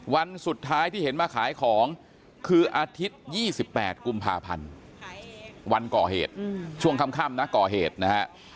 วันสุดท้ายที่เห็นมาขายของคืออาทิตย์๒๘กุมภาพันธ์วันก่อเหตุช่วงค่ำนะก่อเหตุนะฮะ